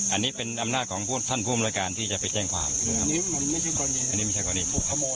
อันนี้เป็นอำนาจของพูดท่านฟ่มราการพี่จะไปแจ้งความอันนี้มันไม่ใช่ประเงิน